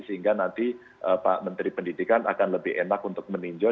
sehingga nanti pak menteri pendidikan akan lebih enak untuk meninjau